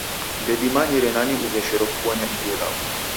Ndedimanyire nani ugheshero kubonya ijo ilagho.